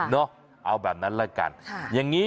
น่ะเอาแบบนั้นแล้วกัน